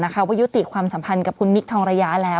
ว่ายุติความสัมพันธ์กับคุณมิคทองระยะแล้ว